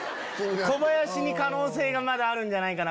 小林に可能性あるんじゃないか